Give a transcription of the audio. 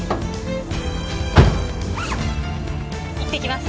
いってきます。